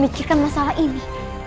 memikirkan masalah ini